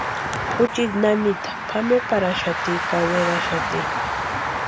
Juchiti nanita pʼameparhaxati ka weraxati.